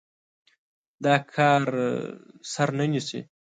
دا کار سر نه نيسي.